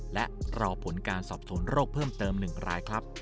และหลอกผลการสอบสูญโรคเพิ่มเติม๑ราย